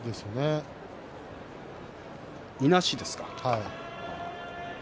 いなしですか？